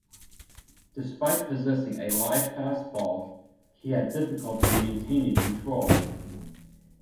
Despite possessing a live fastball, he had difficulty maintaining control.